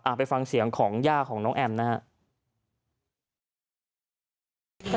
อ่าไปฟังเสียงของย่าของน้องแอมนะฮะ